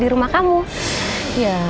di rumah kamu ya